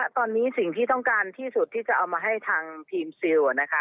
ตอนนี้สิ่งที่ต้องการที่สุดที่จะเอามาให้ทางทีมซิล